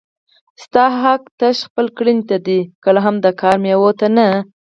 ستا حق تش خپل کړنې ته دی کله هم د کار مېوې ته نه